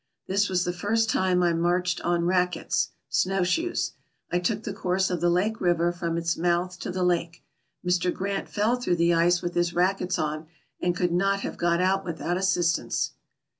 This was the first time I marched on rackets [snowshoes]. I took the course of the Lake River, from its mouth to the lake. Mr. Grant fell through the ice with his rackets on, and could not have got out without assistance.